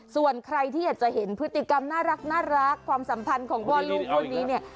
ส่วนใครที่อยากจะเห็นพฤติกรรมน่ารักความสัมพันธ์ของพ่อลูกคู่นี้เนี่ย